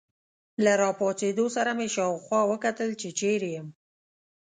له راپاڅېدو سره مې شاوخوا وکتل، چې چیرې یم.